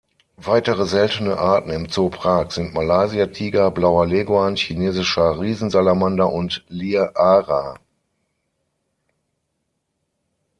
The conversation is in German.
Weitere seltene Arten im Zoo Prag sind Malaysia-Tiger, Blauer Leguan, Chinesischer Riesensalamander und Lear-Ara.